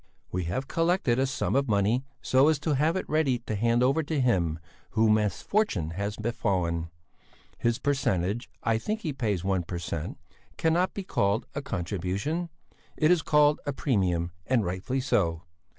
"We have collected a sum of money so as to have it ready to hand over to him whom misfortune has befallen; his percentage I think he pays 1 per cent. cannot be called a contribution; it is called a premium, and rightly so.